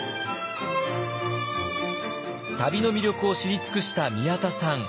旅の魅力を知り尽くした宮田さん。